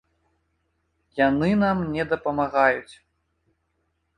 Яны нам не дапамагаюць.